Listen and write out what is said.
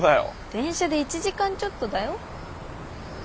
電車で１時間ちょっとだよ。